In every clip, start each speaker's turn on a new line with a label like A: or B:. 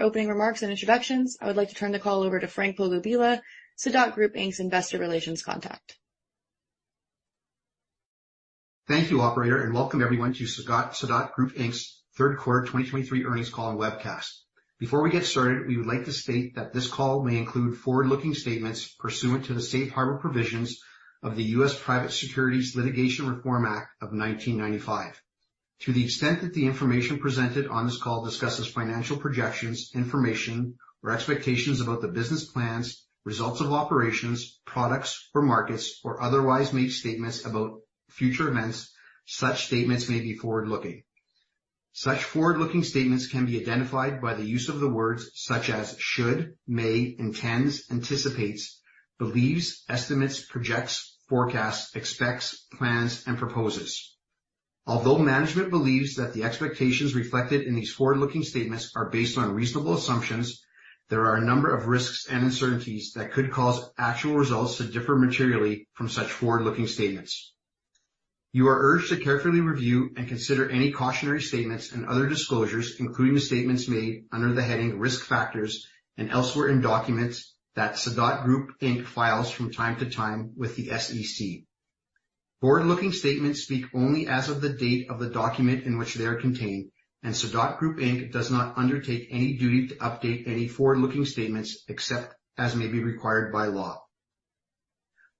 A: For opening remarks and introductions, I would like to turn the call over to Frank Podbielski, Sadot Group Inc.'s Investor Relations contact.
B: Thank you, operator, and welcome everyone to Sadot, Sadot Group Inc.'s third quarter 2023 earnings call and webcast. Before we get started, we would like to state that this call may include forward-looking statements pursuant to the Safe Harbor Provisions of the U.S. Private Securities Litigation Reform Act of 1995. To the extent that the information presented on this call discusses financial projections, information, or expectations about the business plans, results of operations, products or markets, or otherwise make statements about future events, such statements may be forward-looking. Such forward-looking statements can be identified by the use of the words such as should, may, intends, anticipates, believes, estimates, projects, forecasts, expects, plans, and proposes. Although management believes that the expectations reflected in these forward-looking statements are based on reasonable assumptions, there are a number of risks and uncertainties that could cause actual results to differ materially from such forward-looking statements. You are urged to carefully review and consider any cautionary statements and other disclosures, including the statements made under the heading Risk Factors and elsewhere in documents that Sadot Group Inc. files from time to time with the SEC. Forward-looking statements speak only as of the date of the document in which they are contained, and Sadot Group Inc. does not undertake any duty to update any forward-looking statements except as may be required by law.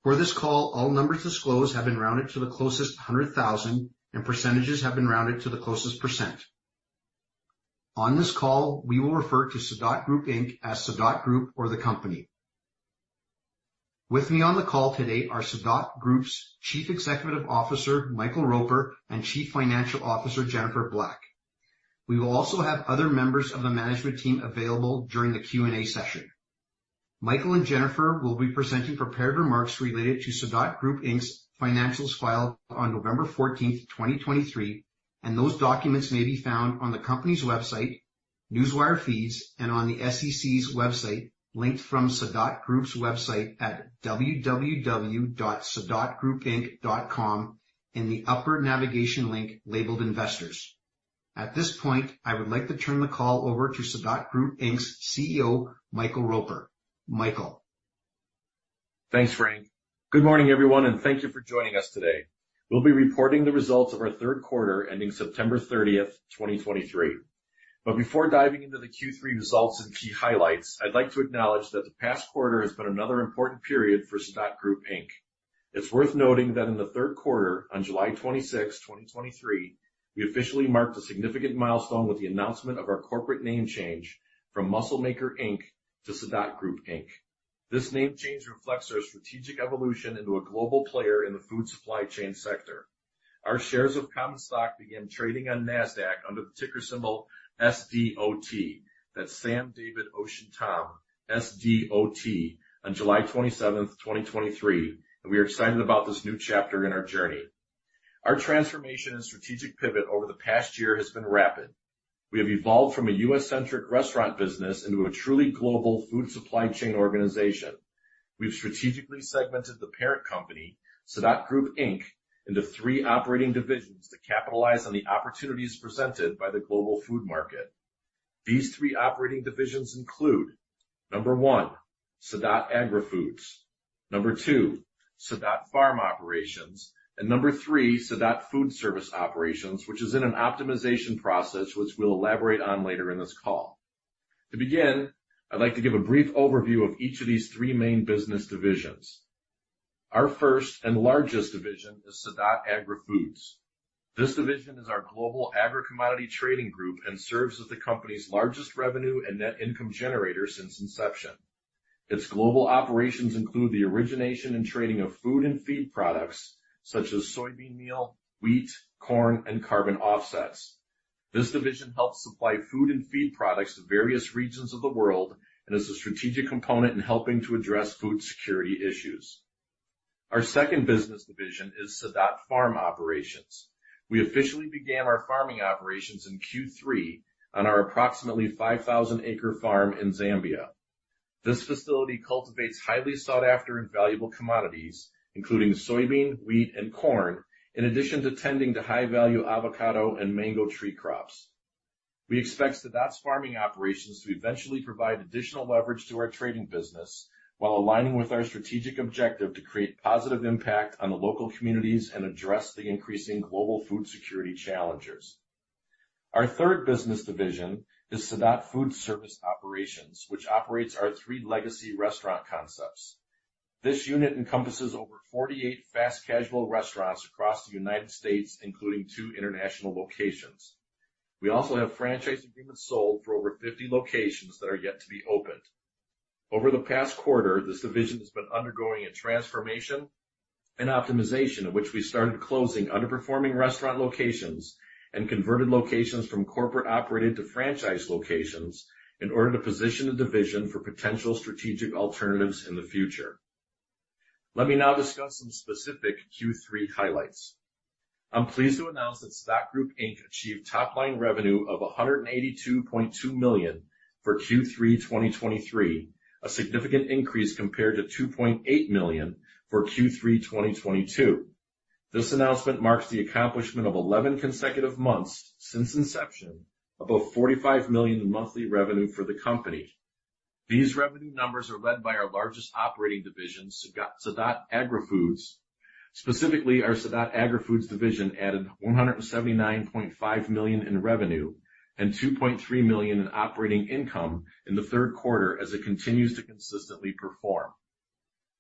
B: For this call, all numbers disclosed have been rounded to the closest hundred thousand, and percentages have been rounded to the closest %. On this call, we will refer to Sadot Group Inc. as Sadot Group or the company. With me on the call today are Sadot Group's Chief Executive Officer, Michael Roper, and Chief Financial Officer, Jennifer Black. We will also have other members of the management team available during the Q&A session. Michael and Jennifer will be presenting prepared remarks related to Sadot Group Inc.'s financials filed on November 14th, 2023, and those documents may be found on the company's website, Newswire feeds, and on the SEC's website, linked from Sadot Group's website at www.sadotgroupinc.com in the upper navigation link labeled Investors. At this point, I would like to turn the call over to Sadot Group Inc.'s CEO, Michael Roper. Michael?
C: Thanks, Frank. Good morning, everyone, and thank you for joining us today. We'll be reporting the results of our third quarter, ending September 30th, 2023. But before diving into the Q3 results and key highlights, I'd like to acknowledge that the past quarter has been another important period for Sadot Group Inc. It's worth noting that in the third quarter, on July 26, 2023, we officially marked a significant milestone with the announcement of our corporate name change from Muscle Maker Inc. to Sadot Group Inc. This name change reflects our strategic evolution into a global player in the food supply chain sector. Our shares of common stock began trading on Nasdaq under the ticker symbol SDOT. That's Sam, David, Ocean, Tom, SDOT, on July 27, 2023, and we are excited about this new chapter in our journey. Our transformation and strategic pivot over the past year has been rapid. We have evolved from a U.S.-centric restaurant business into a truly global food supply chain organization. We've strategically segmented the parent company, Sadot Group Inc., into three operating divisions to capitalize on the opportunities presented by the global food market. These three operating divisions include, 1, Sadot Agri-Foods, 2, Sadot Farm Operations, and 3, Sadot Food Service Operations, which is in an optimization process, which we'll elaborate on later in this call. To begin, I'd like to give a brief overview of each of these three main business divisions. Our first and largest division is Sadot Agri-Foods. This division is our global agri-commodity trading group and serves as the company's largest revenue and net income generator since inception. Its global operations include the origination and trading of food and feed products such as soybean meal, wheat, corn, and carbon offsets. This division helps supply food and feed products to various regions of the world and is a strategic component in helping to address food security issues. Our second business division is Sadot Farm Operations. We officially began our farming operations in Q3 on our approximately 5,000-acre farm in Zambia. This facility cultivates highly sought-after and valuable commodities, including soybean, wheat, and corn, in addition to tending to high-value avocado and mango tree crops. We expect Sadot's farming operations to eventually provide additional leverage to our trading business while aligning with our strategic objective to create positive impact on the local communities and address the increasing global food security challenges. Our third business division is Sadot Food Service Operations, which operates our three legacy restaurant concepts. This unit encompasses over 48 fast casual restaurants across the United States, including two international locations. We also have franchise agreements sold for over 50 locations that are yet to be opened. Over the past quarter, this division has been undergoing a transformation and optimization in which we started closing underperforming restaurant locations and converted locations from corporate-operated to franchise locations in order to position the division for potential strategic alternatives in the future. Let me now discuss some specific Q3 highlights. I'm pleased to announce that Sadot Group Inc. achieved top-line revenue of $182.2 million for Q3 2023, a significant increase compared to $2.8 million for Q3 2022.... This announcement marks the accomplishment of 11 consecutive months since inception, above $45 million in monthly revenue for the company. These revenue numbers are led by our largest operating division, Sadot Agri-Foods. Specifically, our Sadot Agri-Foods division added $179.5 million in revenue and $2.3 million in operating income in the third quarter, as it continues to consistently perform.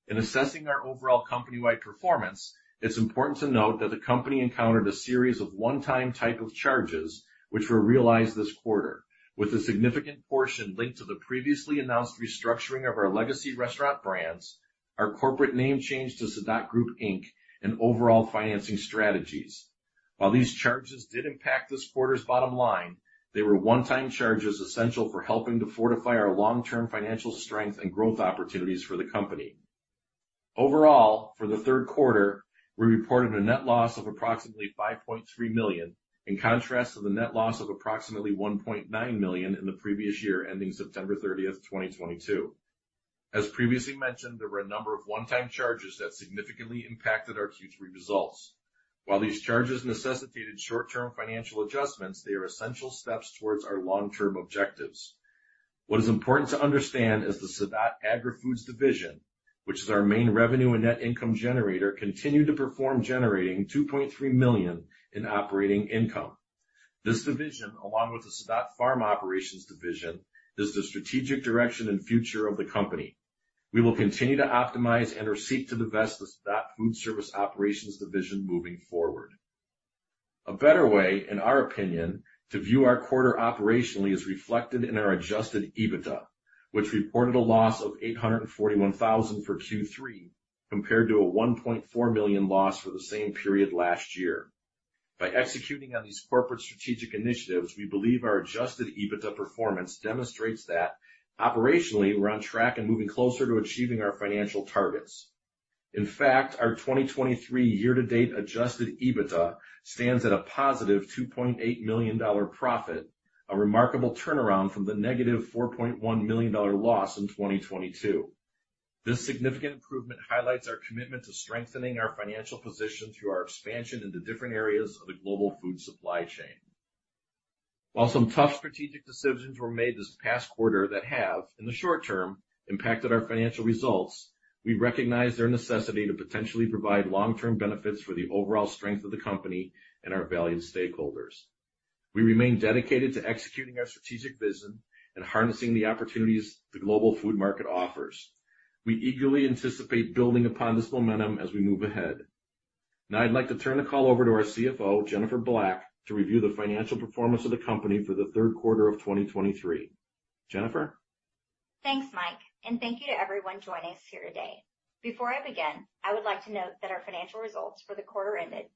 C: In assessing our overall company-wide performance, it's important to note that the company encountered a series of one-time type of charges which were realized this quarter, with a significant portion linked to the previously announced restructuring of our legacy restaurant brands, our corporate name change to Sadot Group Inc., and overall financing strategies. While these charges did impact this quarter's bottom line, they were one-time charges essential for helping to fortify our long-term financial strength and growth opportunities for the company. Overall, for the third quarter, we reported a net loss of approximately $5.3 million, in contrast to the net loss of approximately $1.9 million in the previous year, ending September 30th, 2022. As previously mentioned, there were a number of one-time charges that significantly impacted our Q3 results. While these charges necessitated short-term financial adjustments, they are essential steps towards our long-term objectives. What is important to understand is the Sadot Agri-Foods division, which is our main revenue and net income generator, continued to perform, generating $2.3 million in operating income. This division, along with the Sadot Farm Operations division, is the strategic direction and future of the company. We will continue to optimize and/or seek to divest the Sadot Food Service Operations division moving forward. A better way, in our opinion, to view our quarter operationally is reflected in our adjusted EBITDA, which reported a loss of $841,000 for Q3, compared to a $1.4 million loss for the same period last year. By executing on these corporate strategic initiatives, we believe our adjusted EBITDA performance demonstrates that operationally we're on track and moving closer to achieving our financial targets. In fact, our 2023 year-to-date adjusted EBITDA stands at a positive $2.8 million profit, a remarkable turnaround from the negative $4.1 million loss in 2022. This significant improvement highlights our commitment to strengthening our financial position through our expansion into different areas of the global food supply chain. While some tough strategic decisions were made this past quarter that have, in the short term, impacted our financial results, we recognize their necessity to potentially provide long-term benefits for the overall strength of the company and our valued stakeholders. We remain dedicated to executing our strategic vision and harnessing the opportunities the global food market offers. We eagerly anticipate building upon this momentum as we move ahead. Now, I'd like to turn the call over to our CFO, Jennifer Black, to review the financial performance of the company for the third quarter of 2023. Jennifer?
D: Thanks, Mike, and thank you to everyone joining us here today. Before I begin, I would like to note that our financial results for the quarter ended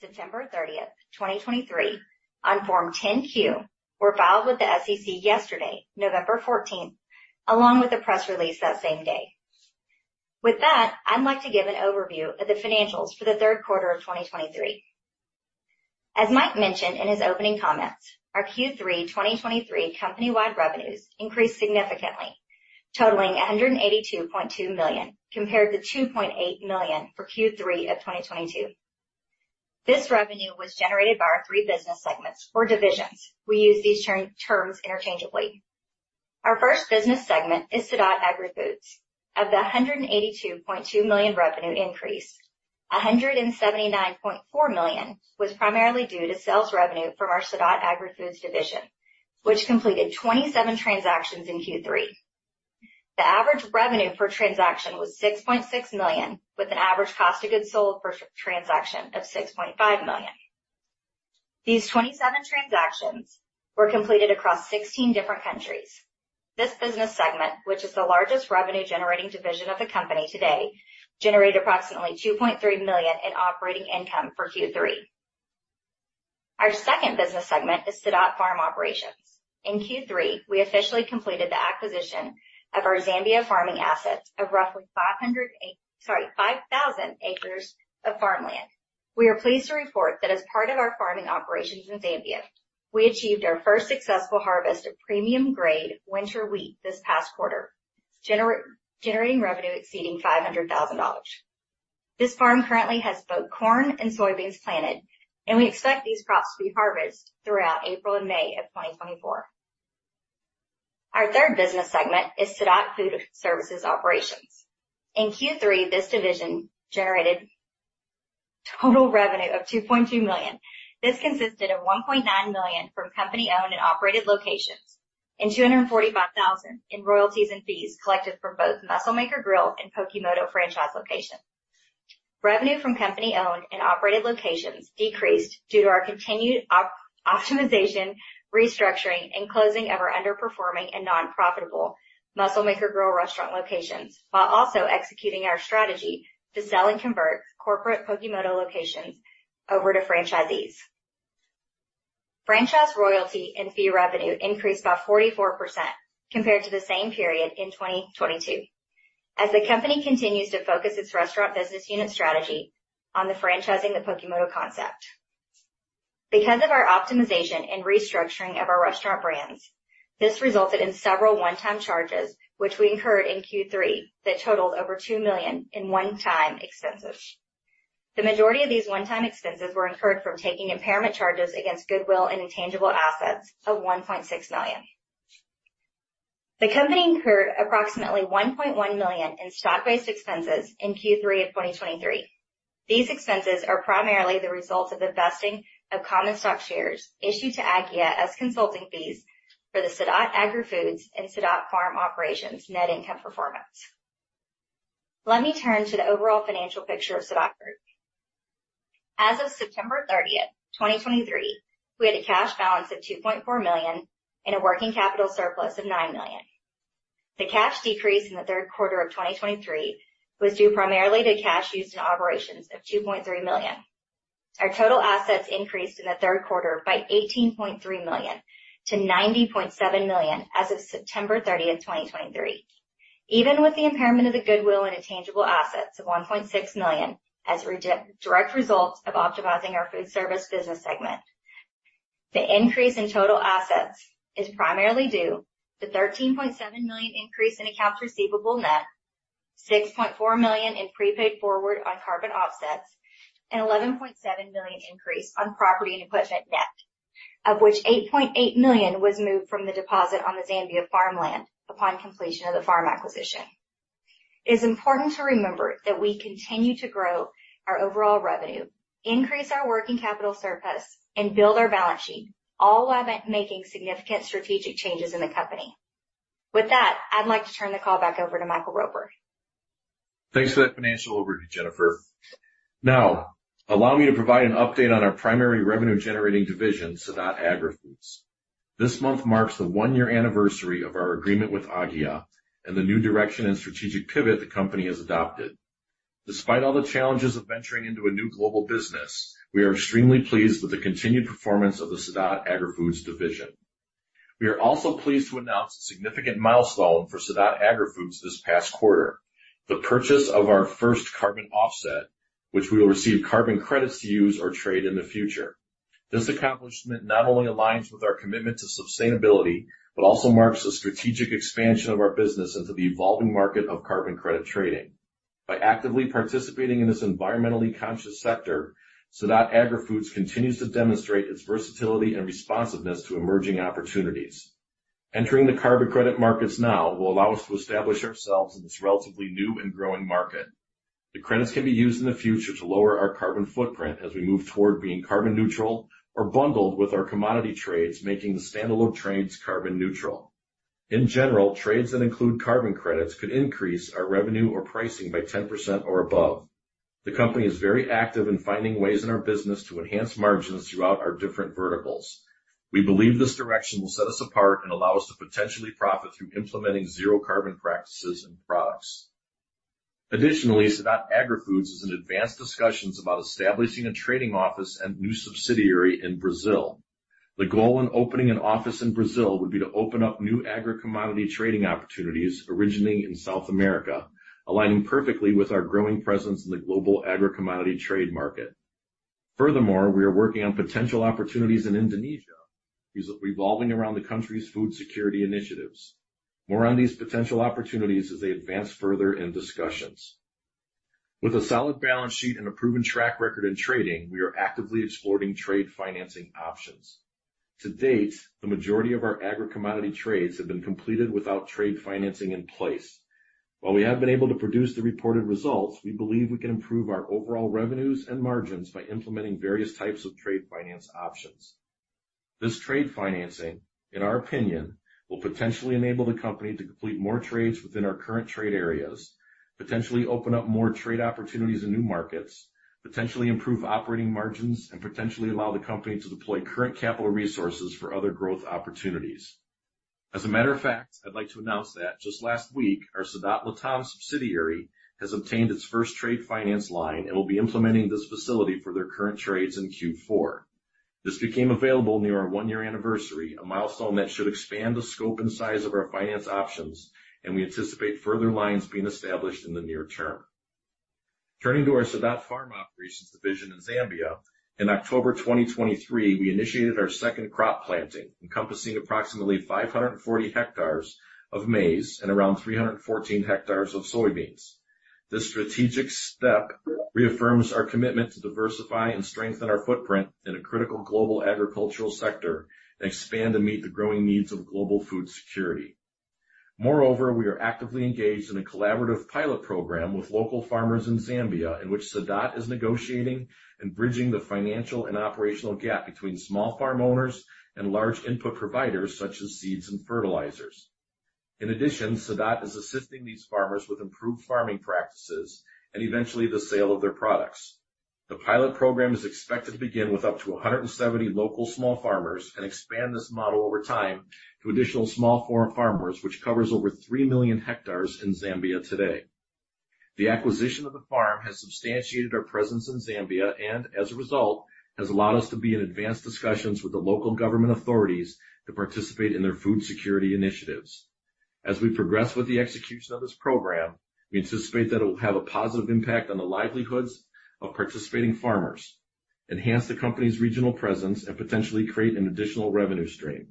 D: September 30th, 2023 on Form 10-Q, were filed with the SEC yesterday, November 14th, along with the press release that same day. With that, I'd like to give an overview of the financials for the third quarter of 2023. As Mike mentioned in his opening comments, our Q3 2023 company-wide revenues increased significantly, totaling $182.2 million, compared to $2.8 million for Q3 of 2022. This revenue was generated by our three business segments or divisions. We use these terms interchangeably. Our first business segment is Sadot Agri-Foods. Of the $182.2 million revenue increase, $179.4 million was primarily due to sales revenue from our Sadot Agri-Foods division, which completed 27 transactions in Q3. The average revenue per transaction was $6.6 million, with an average cost of goods sold per transaction of $6.5 million. These 27 transactions were completed across 16 different countries. This business segment, which is the largest revenue-generating division of the company today, generated approximately $2.3 million in operating income for Q3. Our second business segment is Sadot Farm Operations. In Q3, we officially completed the acquisition of our Zambia farming assets of roughly five hundred... Sorry, 5,000 acres of farmland. We are pleased to report that as part of our farming operations in Zambia, we achieved our first successful harvest of premium grade winter wheat this past quarter, generating revenue exceeding $500,000. This farm currently has both corn and soybeans planted, and we expect these crops to be harvested throughout April and May of 2024. Our third business segment is Sadot Food Service Operations. In Q3, this division generated total revenue of $2.2 million. This consisted of $1.9 million from company-owned and operated locations and $245,000 in royalties and fees collected from both Muscle Maker Grill and Pokémoto franchise locations. Revenue from company-owned and operated locations decreased due to our continued optimization, restructuring, and closing of our underperforming and non-profitable Muscle Maker Grill restaurant locations, while also executing our strategy to sell and convert corporate Pokémoto locations over to franchisees. Franchise royalty and fee revenue increased by 44% compared to the same period in 2022. As the company continues to focus its restaurant business unit strategy on the franchising the Pokémoto concept. Because of our optimization and restructuring of our restaurant brands, this resulted in several one-time charges, which we incurred in Q3, that totaled over $2 million in one-time expenses. The majority of these one-time expenses were incurred from taking impairment charges against goodwill and intangible assets of $1.6 million. The company incurred approximately $1.1 million in stock-based expenses in Q3 of 2023. These expenses are primarily the result of the vesting of common stock shares issued to Aggia as consulting fees for the Sadot Agri-Foods and Sadot Farm Operations net income performance. Let me turn to the overall financial picture of Sadot Group. As of September 30th, 2023, we had a cash balance of $2.4 million and a working capital surplus of $9 million. The cash decrease in the third quarter of 2023 was due primarily to cash used in operations of $2.3 million. Our total assets increased in the third quarter by $18.3 million to $90.7 million as of September 30th, 2023. Even with the impairment of the goodwill and intangible assets of $1.6 million as a direct result of optimizing our food service business segment, the increase in total assets is primarily due to $13.7 million increase in accounts receivable net, $6.4 million in prepaid forward on carbon offsets, and $11.7 million increase on property and equipment net, of which $8.8 million was moved from the deposit on the Zambia farmland upon completion of the farm acquisition. It is important to remember that we continue to grow our overall revenue, increase our working capital surplus, and build our balance sheet, all while making significant strategic changes in the company. With that, I'd like to turn the call back over to Michael Roper.
C: Thanks for that financial overview, Jennifer. Now, allow me to provide an update on our primary revenue-generating division, Sadot Agri-Foods. This month marks the one-year anniversary of our agreement with Aggia and the new direction and strategic pivot the company has adopted. Despite all the challenges of venturing into a new global business, we are extremely pleased with the continued performance of the Sadot Agri-Foods division. We are also pleased to announce a significant milestone for Sadot Agri-Foods this past quarter, the purchase of our first carbon offset, which we will receive carbon credits to use or trade in the future. This accomplishment not only aligns with our commitment to sustainability, but also marks a strategic expansion of our business into the evolving market of carbon credit trading. By actively participating in this environmentally conscious sector, Sadot Agri-Foods continues to demonstrate its versatility and responsiveness to emerging opportunities. Entering the carbon credit markets now will allow us to establish ourselves in this relatively new and growing market. The credits can be used in the future to lower our carbon footprint as we move toward being carbon neutral or bundled with our commodity trades, making the standalone trades carbon neutral. In general, trades that include carbon credits could increase our revenue or pricing by 10% or above. The company is very active in finding ways in our business to enhance margins throughout our different verticals. We believe this direction will set us apart and allow us to potentially profit through implementing zero carbon practices and products. Additionally, Sadot Agri-Foods is in advanced discussions about establishing a trading office and new subsidiary in Brazil. The goal in opening an office in Brazil would be to open up new agri-commodity trading opportunities originating in South America, aligning perfectly with our growing presence in the global agri-commodity trade market. Furthermore, we are working on potential opportunities in Indonesia, revolving around the country's food security initiatives. More on these potential opportunities as they advance further in discussions. With a solid balance sheet and a proven track record in trading, we are actively exploring trade financing options. To date, the majority of our agri-commodity trades have been completed without trade financing in place. While we have been able to produce the reported results, we believe we can improve our overall revenues and margins by implementing various types of trade finance options. This trade financing, in our opinion, will potentially enable the company to complete more trades within our current trade areas, potentially open up more trade opportunities in new markets, potentially improve operating margins, and potentially allow the company to deploy current capital resources for other growth opportunities. As a matter of fact, I'd like to announce that just last week, our Sadot Latam subsidiary has obtained its first trade finance line and will be implementing this facility for their current trades in Q4. This became available near our one-year anniversary, a milestone that should expand the scope and size of our finance options, and we anticipate further lines being established in the near term. Turning to our Sadot Farm Operations division in Zambia, in October 2023, we initiated our second crop planting, encompassing approximately 540 hectares of maize and around 314 hectares of soybeans. This strategic step reaffirms our commitment to diversify and strengthen our footprint in a critical global agricultural sector and expand to meet the growing needs of global food security. Moreover, we are actively engaged in a collaborative pilot program with local farmers in Zambia, in which Sadot is negotiating and bridging the financial and operational gap between small farm owners and large input providers, such as seeds and fertilizers. In addition, Sadot is assisting these farmers with improved farming practices and eventually the sale of their products. The pilot program is expected to begin with up to 170 local small farmers and expand this model over time to additional small farm farmers, which covers over 3 million hectares in Zambia today. The acquisition of the farm has substantiated our presence in Zambia, and as a result, has allowed us to be in advanced discussions with the local government authorities to participate in their food security initiatives.... As we progress with the execution of this program, we anticipate that it will have a positive impact on the livelihoods of participating farmers, enhance the company's regional presence, and potentially create an additional revenue stream.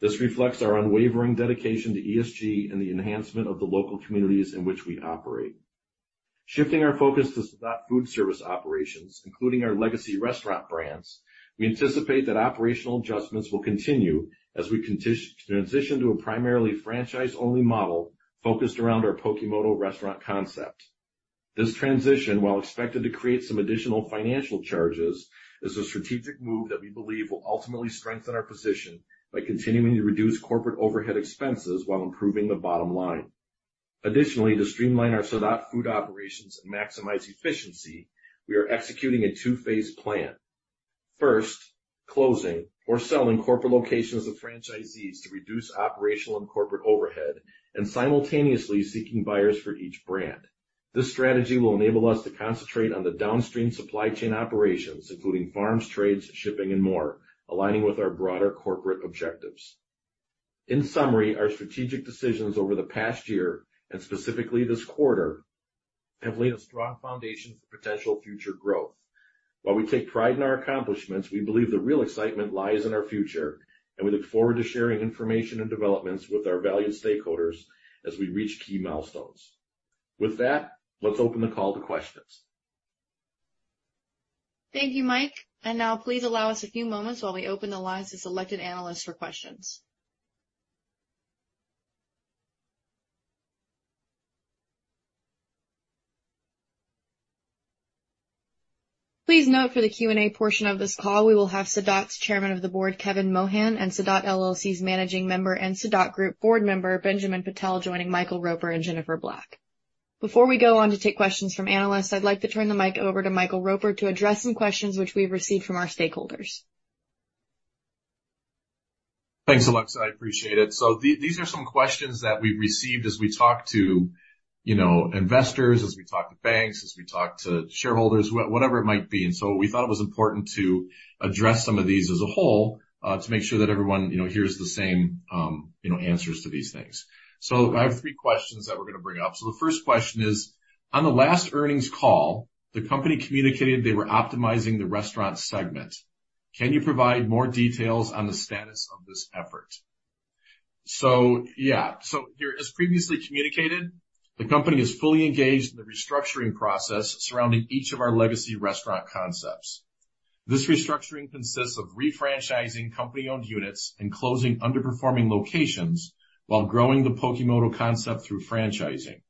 C: This reflects our unwavering dedication to ESG and the enhancement of the local communities in which we operate. Shifting our focus to Sadot Food Service Operations, including our legacy restaurant brands, we anticipate that operational adjustments will continue as we transition to a primarily franchise-only model focused around our Pokémoto restaurant concept. This transition, while expected to create some additional financial charges, is a strategic move that we believe will ultimately strengthen our position by continuing to reduce corporate overhead expenses while improving the bottom line. Additionally, to streamline our Sadot food operations and maximize efficiency, we are executing a two-phase plan. First, closing or selling corporate locations of franchisees to reduce operational and corporate overhead and simultaneously seeking buyers for each brand. This strategy will enable us to concentrate on the downstream supply chain operations, including farms, trades, shipping, and more, aligning with our broader corporate objectives. In summary, our strategic decisions over the past year, and specifically this quarter, have laid a strong foundation for potential future growth. While we take pride in our accomplishments, we believe the real excitement lies in our future, and we look forward to sharing information and developments with our valued stakeholders as we reach key milestones. With that, let's open the call to questions.
A: Thank you, Mike. Now please allow us a few moments while we open the lines to selected analysts for questions. Please note, for the Q&A portion of this call, we will have Sadot's Chairman of the Board, Kevin Mohan, and Sadot LLC's Managing Member and Sadot Group Board Member, Benjamin Petel, joining Michael Roper and Jennifer Black. Before we go on to take questions from analysts, I'd like to turn the mic over to Michael Roper to address some questions which we've received from our stakeholders.
C: Thanks, Alexa. I appreciate it. So these are some questions that we've received as we talk to, you know, investors, as we talk to banks, as we talk to shareholders, whatever it might be. And so we thought it was important to address some of these as a whole, to make sure that everyone, you know, hears the same, you know, answers to these things. So I have three questions that we're gonna bring up. So the first question is: On the last earnings call, the company communicated they were optimizing the restaurant segment. Can you provide more details on the status of this effort? So, yeah. So here, as previously communicated, the company is fully engaged in the restructuring process surrounding each of our legacy restaurant concepts. This restructuring consists of refranchising company-owned units and closing underperforming locations while growing the Pokémoto concept through franchising.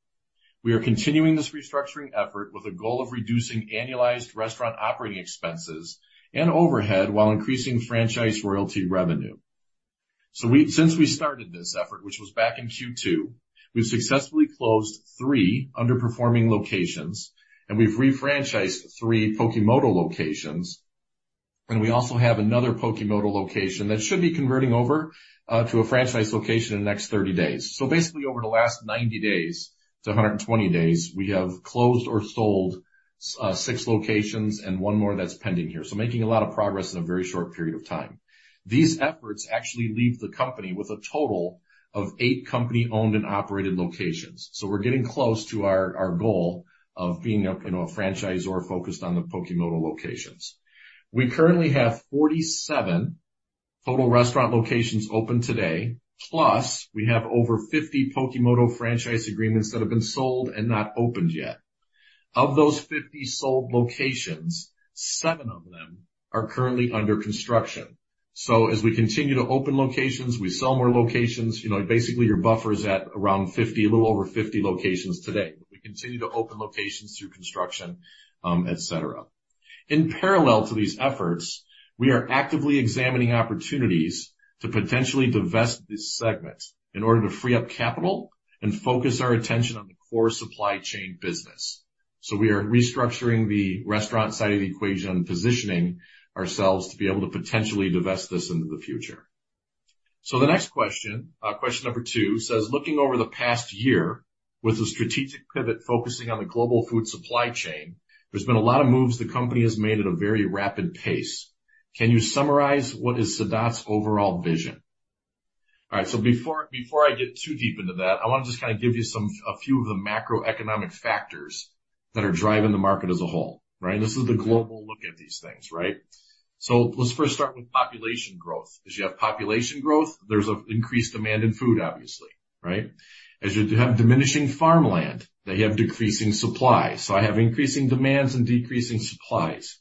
C: We are continuing this restructuring effort with a goal of reducing annualized restaurant operating expenses and overhead while increasing franchise royalty revenue. So since we started this effort, which was back in Q2, we've successfully closed 3 underperforming locations, and we've refranchised 3 Pokémoto locations, and we also have another Pokémoto location that should be converting over to a franchise location in the next 30 days. So basically, over the last 90 days to 120 days, we have closed or sold 6 locations and 1 more that's pending here. So making a lot of progress in a very short period of time. These efforts actually leave the company with a total of 8 company-owned and operated locations. So we're getting close to our, our goal of being a, you know, a franchisor focused on the Pokémoto locations. We currently have 47 total restaurant locations open today, plus we have over 50 Pokémoto franchise agreements that have been sold and not opened yet. Of those 50 sold locations, 7 of them are currently under construction. So as we continue to open locations, we sell more locations, you know, basically, your buffer is at around 50, a little over 50 locations today. We continue to open locations through construction, et cetera. In parallel to these efforts, we are actively examining opportunities to potentially divest this segment in order to free up capital and focus our attention on the core supply chain business. So we are restructuring the restaurant side of the equation and positioning ourselves to be able to potentially divest this into the future. So the next question, question number two, says: Looking over the past year with a strategic pivot focusing on the global food supply chain, there's been a lot of moves the company has made at a very rapid pace. Can you summarize what is Sadot's overall vision? All right. So before I get too deep into that, I want to just kind of give you a few of the macroeconomic factors that are driving the market as a whole, right? This is the global look at these things, right? So let's first start with population growth. As you have population growth, there's an increased demand in food, obviously, right? As you have diminishing farmland, they have decreasing supply. So I have increasing demands and decreasing supplies.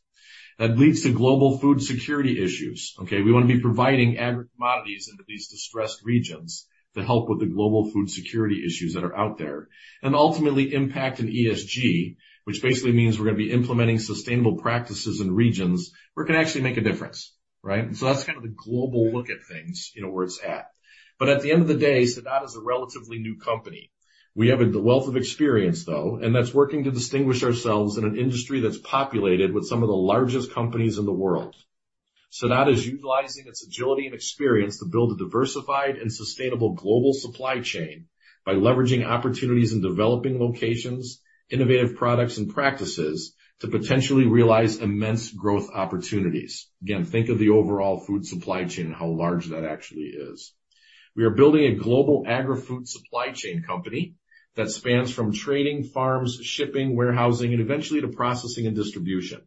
C: That leads to global food security issues, okay? We want to be providing agriculture commodities into these distressed regions to help with the global food security issues that are out there and ultimately impact an ESG, which basically means we're gonna be implementing sustainable practices in regions where it can actually make a difference, right? So that's kind of the global look at things, you know, where it's at. But at the end of the day, Sadot is a relatively new company. We have a wealth of experience, though, and that's working to distinguish ourselves in an industry that's populated with some of the largest companies in the world. Sadot is utilizing its agility and experience to build a diversified and sustainable global supply chain by leveraging opportunities in developing locations, innovative products and practices to potentially realize immense growth opportunities. Again, think of the overall food supply chain and how large that actually is. We are building a global agri-food supply chain company that spans from trading, farms, shipping, warehousing, and eventually to processing and distribution.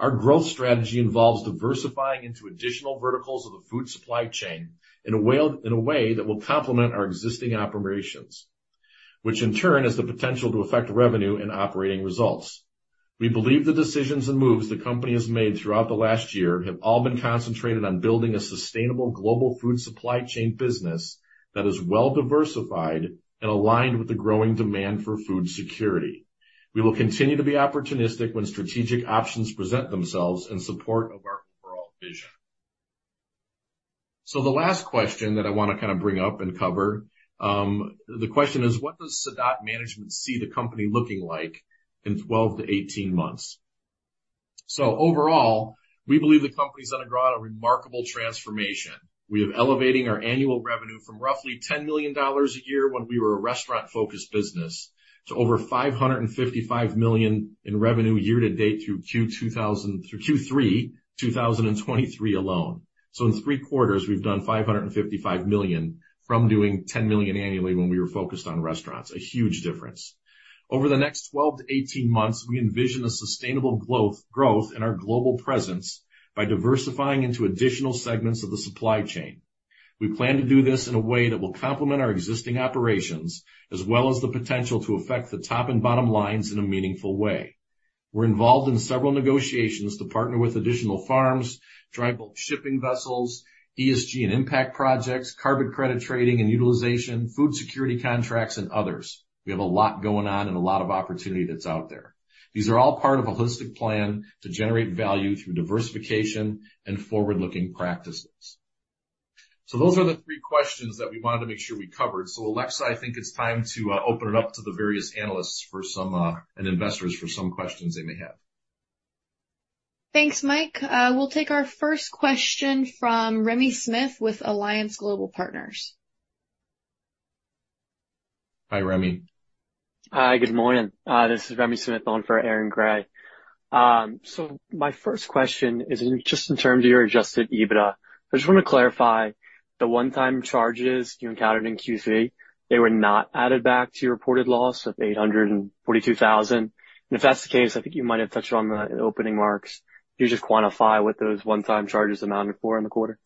C: Our growth strategy involves diversifying into additional verticals of the food supply chain in a way, in a way that will complement our existing operations, which in turn has the potential to affect revenue and operating results. We believe the decisions and moves the company has made throughout the last year have all been concentrated on building a sustainable global food supply chain business that is well-diversified and aligned with the growing demand for food security. We will continue to be opportunistic when strategic options present themselves in support of our overall vision. The last question that I want to kind of bring up and cover, the question is: What does Sadot management see the company looking like in 12-18 months? So overall, we believe the company is undergoing a remarkable transformation. We are elevating our annual revenue from roughly $10 million a year when we were a restaurant-focused business, to over $555 million in revenue year to date through Q3, 2023 alone. So in three quarters, we've done $555 million from doing $10 million annually when we were focused on restaurants. A huge difference. Over the next 12-18 months, we envision a sustainable growth in our global presence by diversifying into additional segments of the supply chain. We plan to do this in a way that will complement our existing operations, as well as the potential to affect the top and bottom lines in a meaningful way. We're involved in several negotiations to partner with additional farms, dry bulk shipping vessels, ESG and impact projects, carbon credit trading and utilization, food security contracts, and others. We have a lot going on and a lot of opportunity that's out there. These are all part of a holistic plan to generate value through diversification and forward-looking practices. So those are the three questions that we wanted to make sure we covered. So, Alexa, I think it's time to open it up to the various analysts for some and investors for some questions they may have.
A: Thanks, Mike. We'll take our first question from Remi Smith, with Alliance Global Partners.
C: Hi, Remi.
E: Hi, good morning. This is Remi Smith on for Aaron Gray. So my first question is just in terms of your Adjusted EBITDA. I just want to clarify the one-time charges you encountered in Q3, they were not added back to your reported loss of $842,000? And if that's the case, I think you might have touched on the in the opening remarks, can you just quantify what those one-time charges amounted for in the quarter?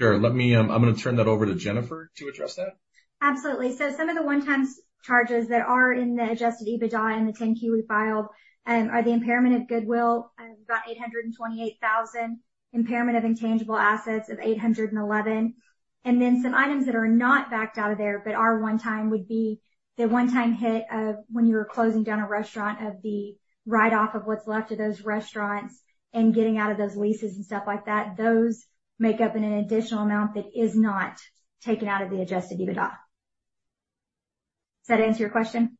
C: Sure. Let me, I'm gonna turn that over to Jennifer to address that.
D: Absolutely. So some of the one-time charges that are in the adjusted EBITDA in the 10-Q we filed, are the impairment of goodwill, about $828,000, impairment of intangible assets of $811,000. And then some items that are not backed out of there, but are one-time, would be the one-time hit of when you were closing down a restaurant, of the write-off of what's left of those restaurants and getting out of those leases and stuff like that. Those make up an additional amount that is not taken out of the adjusted EBITDA. Does that answer your question?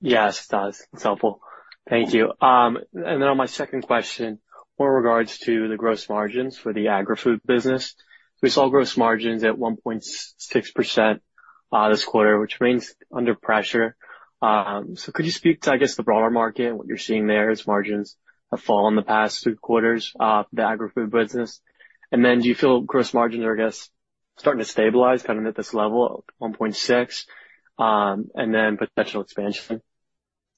E: Yes, it does. It's helpful. Thank you. And then on my second question, with regards to the gross margins for the agri-food business. We saw gross margins at 1.6%, this quarter, which remains under pressure. So could you speak to, I guess, the broader market and what you're seeing there, as margins have fallen in the past few quarters, the agri-food business? And then do you feel gross margins are, I guess, starting to stabilize, kind of at this level of 1.6, and then potential expansion?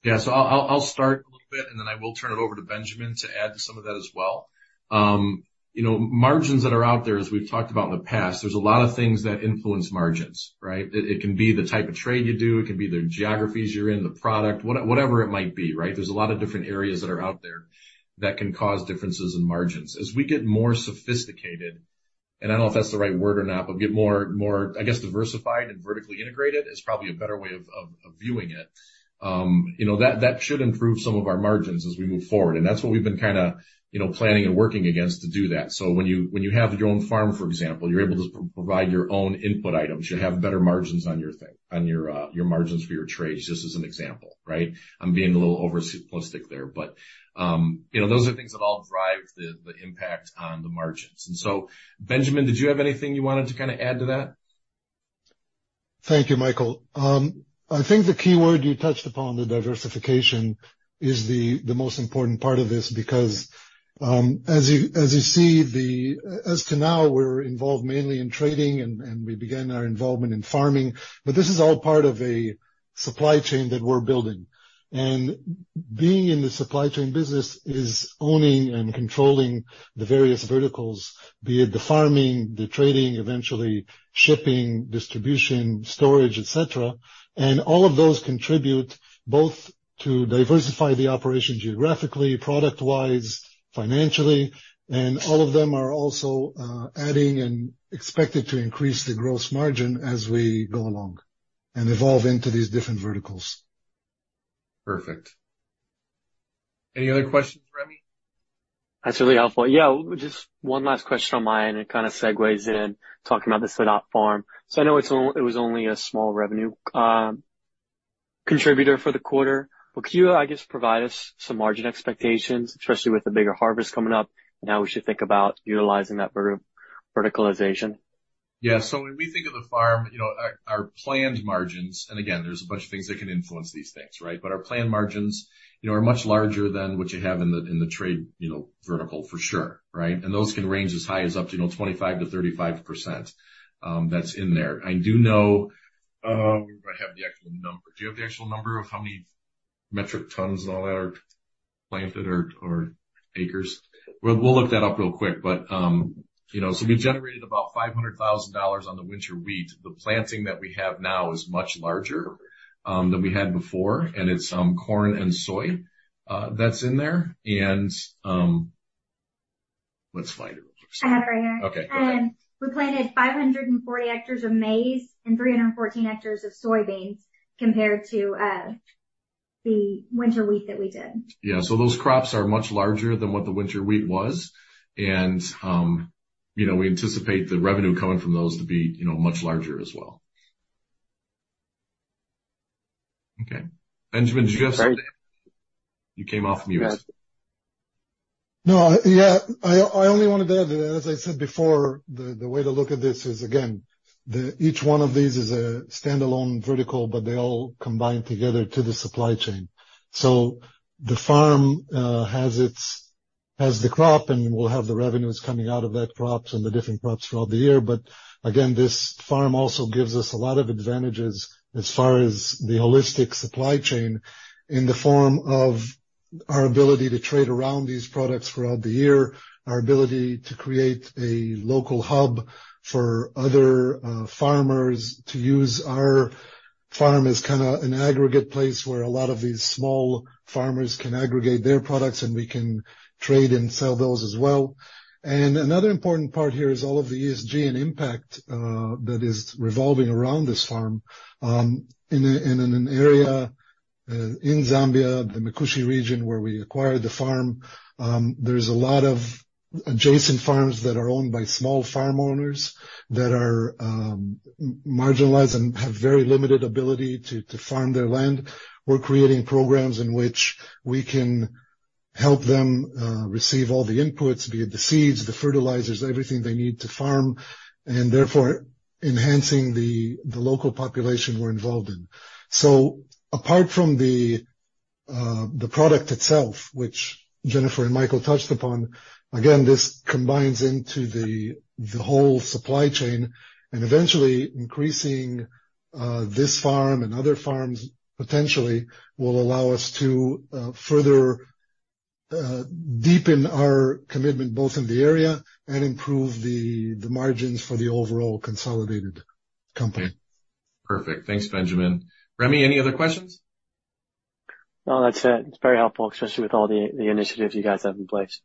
C: Yeah. So I'll start a little bit, and then I will turn it over to Benjamin to add to some of that as well. You know, margins that are out there, as we've talked about in the past, there's a lot of things that influence margins, right? It can be the type of trade you do, it can be the geographies you're in, the product, whatever it might be, right? There's a lot of different areas that are out there that can cause differences in margins. As we get more sophisticated, and I don't know if that's the right word or not, but get more, I guess, diversified and vertically integrated is probably a better way of viewing it. You know, that should improve some of our margins as we move forward. And that's what we've been kind of, you know, planning and working against to do that. So when you have your own farm, for example, you're able to provide your own input items. You have better margins on your thing, on your, your margins for your trades. Just as an example, right? I'm being a little over simplistic there, but, you know, those are things that all drive the impact on the margins. And so, Benjamin, did you have anything you wanted to kind of add to that?
F: Thank you, Michael. I think the key word you touched upon, the diversification, is the most important part of this, because as you see, as of now, we're involved mainly in trading, and we began our involvement in farming, but this is all part of a supply chain that we're building. Being in the supply chain business is owning and controlling the various verticals, be it the farming, the trading, eventually shipping, distribution, storage, et cetera. All of those contribute both to diversify the operation geographically, product-wise, financially, and all of them are also adding and expected to increase the gross margin as we go along and evolve into these different verticals.
C: Perfect. Any other questions, Remi?
E: That's really helpful. Yeah, just one last question on my end. It kind of segues in talking about the Sadot farm. So I know it was only a small revenue....
F: contributor for the quarter. But could you, I guess, provide us some margin expectations, especially with the bigger harvest coming up, and how we should think about utilizing that verticalization?
C: Yeah. So when we think of the farm, you know, our, our planned margins, and again, there's a bunch of things that can influence these things, right? But our planned margins, you know, are much larger than what you have in the, in the trade, you know, vertical, for sure, right? And those can range as high as up to, you know, 25%-35%, that's in there. I do know, I have the actual number. Do you have the actual number of how many metric tons and all that are planted or, or acres? We'll, we'll look that up real quick, but, you know, so we generated about $500,000 on the winter wheat. The planting that we have now is much larger, than we had before, and it's, corn and soy, that's in there. Let's find it real quick.
D: I have it right here.
C: Okay.
D: We planted 540 hectares of maize and 314 hectares of soybeans compared to the winter wheat that we did.
C: Yeah. So those crops are much larger than what the Winter Wheat was. You know, we anticipate the revenue coming from those to be, you know, much larger as well. Okay, Benjamin, did you just-
F: Sorry.
C: You came off mute.
F: No. Yeah, I, I only wanted to add, as I said before, the way to look at this is again, each one of these is a standalone vertical, but they all combine together to the supply chain. So the farm has its, has the crop, and we'll have the revenues coming out of that crops and the different crops throughout the year. But again, this farm also gives us a lot of advantages as far as the holistic supply chain, in the form of our ability to trade around these products throughout the year, our ability to create a local hub for other farmers to use our farm as kind of an aggregate place where a lot of these small farmers can aggregate their products, and we can trade and sell those as well. Another important part here is all of the ESG and impact that is revolving around this farm. In an area in Zambia, the Mkushi region, where we acquired the farm, there's a lot of adjacent farms that are owned by small farmers that are marginalized and have very limited ability to farm their land. We're creating programs in which we can help them receive all the inputs, be it the seeds, the fertilizers, everything they need to farm, and therefore enhancing the local population we're involved in. Apart from the product itself, which Jennifer and Michael touched upon, again, this combines into the whole supply chain, and eventually increasing this farm and other farms potentially will allow us to further deepen our commitment both in the area and improve the margins for the overall consolidated company.
C: Perfect. Thanks, Benjamin. Remi, any other questions?
G: No, that's it. It's very helpful, especially with all the initiatives you guys have in place.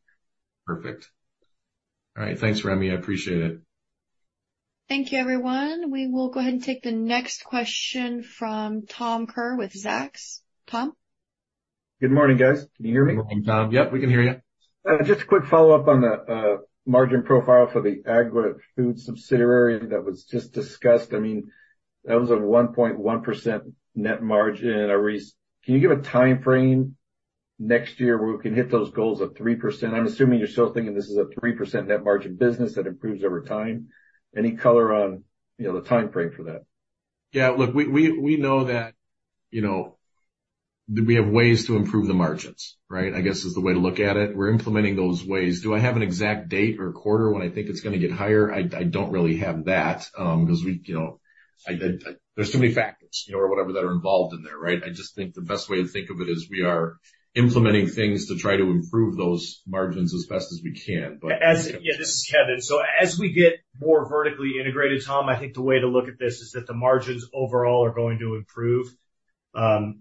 C: Perfect. All right. Thanks, Remi. I appreciate it.
A: Thank you, everyone. We will go ahead and take the next question from Tom Kerr with Zacks. Tom?
H: Good morning, guys. Can you hear me?
C: Good morning, Tom. Yep, we can hear you.
H: Just a quick follow-up on the margin profile for the agri-food subsidiary that was just discussed. I mean, that was a 1.1% net margin increase. Can you give a time frame next year where we can hit those goals of 3%? I'm assuming you're still thinking this is a 3% net margin business that improves over time. Any color on, you know, the time frame for that?
C: Yeah, look, we know that, you know, that we have ways to improve the margins, right? I guess is the way to look at it. We're implementing those ways. Do I have an exact date or quarter when I think it's gonna get higher? I don't really have that, because we, you know... There's too many factors, you know, or whatever, that are involved in there, right? I just think the best way to think of it is we are implementing things to try to improve those margins as best as we can, but-
I: Yeah, this is Kevin. So as we get more vertically integrated, Tom, I think the way to look at this is that the margins overall are going to improve,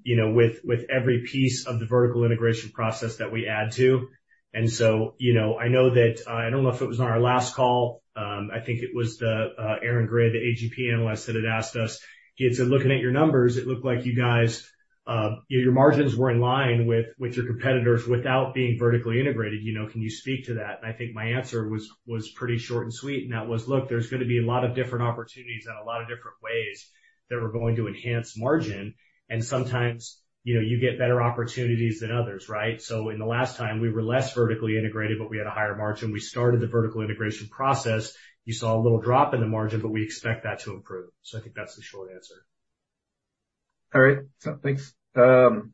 I: you know, with every piece of the vertical integration process that we add to. And so, you know, I know that I don't know if it was on our last call, I think it was the Aaron Gray, the AGP analyst, that had asked us, "Hey, so looking at your numbers, it looked like you guys, your margins were in line with your competitors without being vertically integrated. You know, can you speak to that?" And I think my answer was pretty short and sweet, and that was: Look, there's going to be a lot of different opportunities and a lot of different ways that we're going to enhance margin, and sometimes, you know, you get better opportunities than others, right? So in the last time, we were less vertically integrated, but we had a higher margin. We started the vertical integration process. You saw a little drop in the margin, but we expect that to improve. So I think that's the short answer.
H: All right, so thanks. And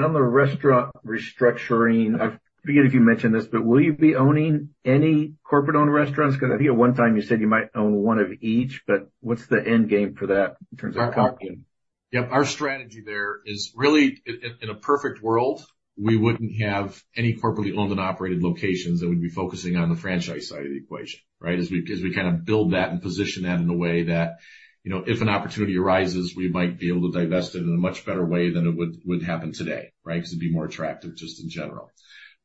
H: on the restaurant restructuring, I forget if you mentioned this, but will you be owning any corporate-owned restaurants? Because I think at one time you said you might own one of each, but what's the end game for that in terms of procurement?
C: Yep. Our strategy there is really, in a perfect world, we wouldn't have any corporately owned and operated locations, and we'd be focusing on the franchise side of the equation, right? As we kind of build that and position that in a way that, you know, if an opportunity arises, we might be able to divest it in a much better way than it would happen today, right? Because it'd be more attractive just in general.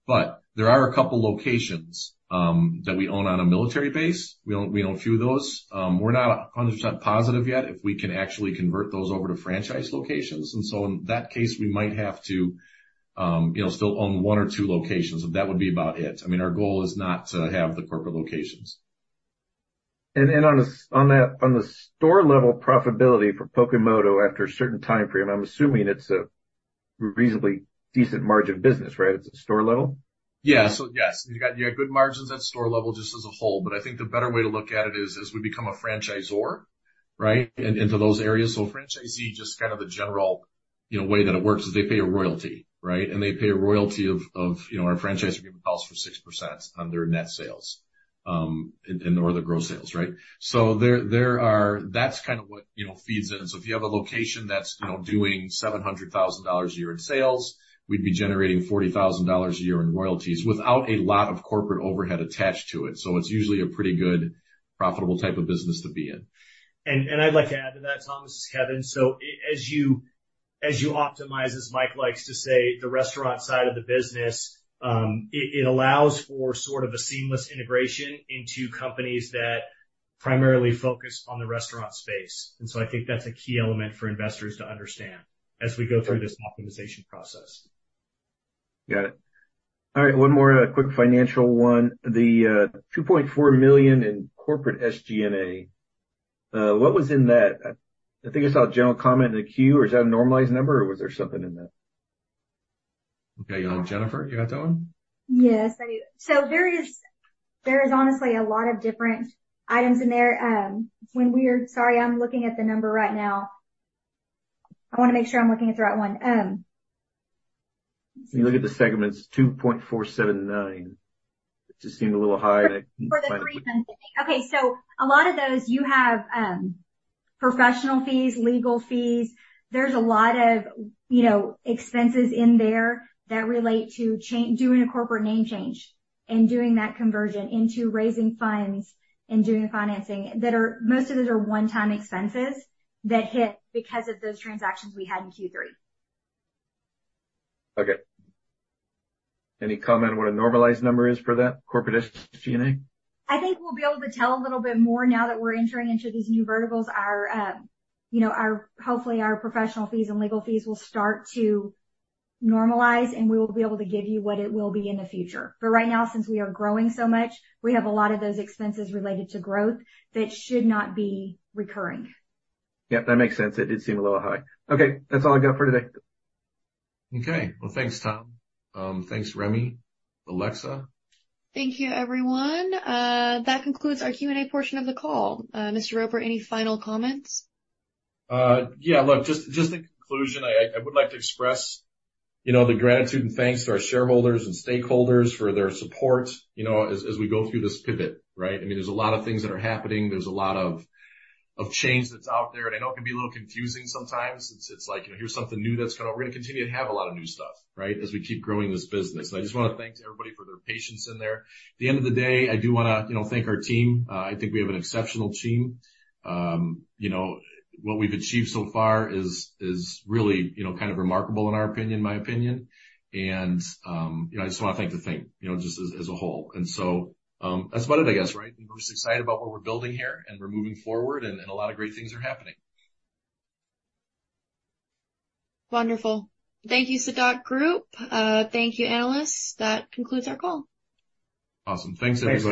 C: But there are a couple locations that we own on a military base. We own a few of those. We're not 100% positive yet if we can actually convert those over to franchise locations. And so in that case, we might have to, you know, still own one or two locations, and that would be about it. I mean, our goal is not to have the corporate locations....
H: And on the store level profitability for Pokémoto, after a certain time frame, I'm assuming it's a reasonably decent margin business, right? It's at store level.
C: Yeah. So yes, you got, you have good margins at store level, just as a whole, but I think the better way to look at it is, as we become a franchisor, right? Into those areas. So franchisee, just kind of the general, you know, way that it works, is they pay a royalty, right? And they pay a royalty of, you know, our franchise agreement calls for 6% on their net sales, and or the gross sales, right? So there are. That's kind of what, you know, feeds in. So if you have a location that's, you know, doing $700,000 a year in sales, we'd be generating $40,000 a year in royalties without a lot of corporate overhead attached to it. So it's usually a pretty good profitable type of business to be in.
I: And I'd like to add to that, Tom. This is Kevin. So as you optimize, as Mike likes to say, the restaurant side of the business, it allows for sort of a seamless integration into companies that primarily focus on the restaurant space. And so I think that's a key element for investors to understand as we go through this optimization process.
H: Got it. All right, one more quick financial one. The $2.4 million in corporate SGNA. What was in that? I think I saw a general comment in the 10-Q, or is that a normalized number, or was there something in that?
C: Okay, Jennifer, you got that one?
D: Yes, I do. So there is honestly a lot of different items in there. When we are... Sorry, I'm looking at the number right now. I wanna make sure I'm looking at the right one.
H: Let me look at the segments, 2.479. It just seemed a little high.
D: For the three months ending. Okay, so a lot of those, you have, professional fees, legal fees. There's a lot of, you know, expenses in there that relate to doing a corporate name change and doing that conversion into raising funds and doing the financing that are, most of those are one-time expenses that hit because of those transactions we had in Q3.
H: Okay. Any comment on what a normalized number is for that corporate SGNA?
D: I think we'll be able to tell a little bit more now that we're entering into these new verticals. Our, you know, hopefully, our professional fees and legal fees will start to normalize, and we will be able to give you what it will be in the future. But right now, since we are growing so much, we have a lot of those expenses related to growth that should not be recurring.
H: Yep, that makes sense. It did seem a little high. Okay, that's all I've got for today.
C: Okay. Well, thanks, Tom. Thanks, Remi. Alexa?
A: Thank you, everyone. That concludes our Q&A portion of the call. Mr. Roper, any final comments?
C: Yeah, look, just in conclusion, I would like to express, you know, the gratitude and thanks to our shareholders and stakeholders for their support, you know, as we go through this pivot, right? I mean, there's a lot of things that are happening. There's a lot of change that's out there, and I know it can be a little confusing sometimes. It's like, you know, here's something new that's kind of... We're gonna continue to have a lot of new stuff, right? As we keep growing this business. And I just wanna thank everybody for their patience in there. At the end of the day, I do wanna, you know, thank our team. I think we have an exceptional team. You know, what we've achieved so far is really, you know, kind of remarkable, in our opinion, my opinion. You know, I just wanna thank the team, you know, just as a whole. That's about it, I guess, right? We're just excited about what we're building here, and we're moving forward, and a lot of great things are happening.
A: Wonderful. Thank you, Sadot Group. Thank you, analysts. That concludes our call.
C: Awesome. Thanks, everybody.